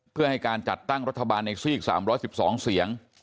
เพื่อให้การจัดตั้งรัฐบาลในสี่สามร้อยสิบสองเสียง